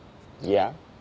いや？